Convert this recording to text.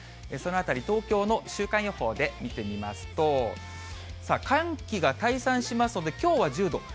そのあたり、東京の週間予報で見てみますと、さあ、寒気が退散しますので、きょうは１０度。